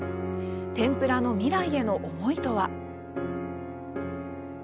天ぷらの未来への思いとは。